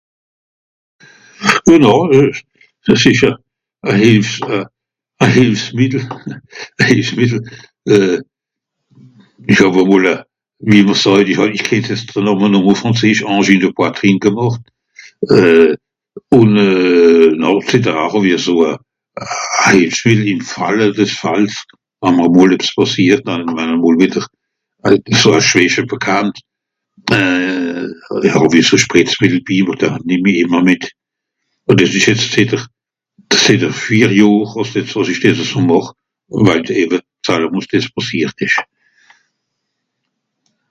C'est une aide remède J'ai fait une angine de poitrine et depuis, a titre préventif, j'ai toujours un remède à pulveriser et ça fait depuis près de 4 ans que je fais ça en raison de ce qui est arrivé à l'époque